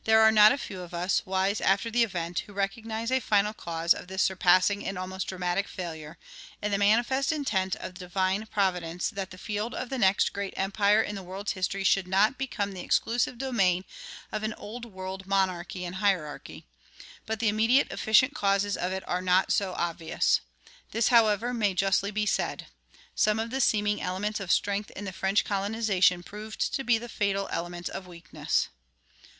[24:1] There are not a few of us, wise after the event, who recognize a final cause of this surprising and almost dramatic failure, in the manifest intent of divine Providence that the field of the next great empire in the world's history should not become the exclusive domain of an old world monarchy and hierarchy; but the immediate efficient causes of it are not so obvious. This, however, may justly be said: some of the seeming elements of strength in the French colonization proved to be fatal elements of weakness.